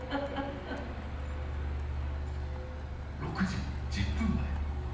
６時１０分前。